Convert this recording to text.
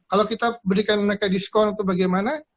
kalau kita berikan mereka diskon ke bagaimana